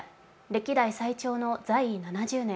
歴代最長の在位７０年。